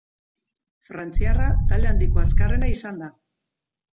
Frantziarra talde handiko azkarrena izan da.